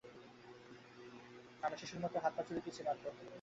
আমরা শিশুর মত হাত-পা ছুঁড়িতেছি মাত্র।